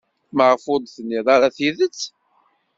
Maɣef ur d-tennid ara tidet?